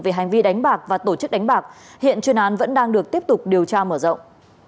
về hành vi đánh bạc và tổ chức đánh bạc hiện chuyên án vẫn đang được tiếp tục điều tra mở rộng